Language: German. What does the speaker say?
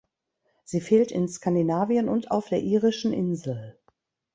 Sie fehlt in Skandinavien und auf der Irischen Insel.